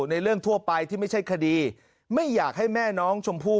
ในเรื่องทั่วไปที่ไม่ใช่คดีไม่อยากให้แม่น้องชมพู่